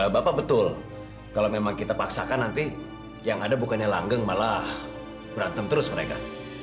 bapak betul kalau memang kita paksakan nanti yang ada bukannya langgeng malah berantem terus mereka